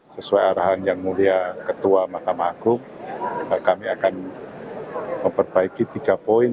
sesuai arahan yang mulia ketua mahkamah agung kami akan memperbaiki tiga poin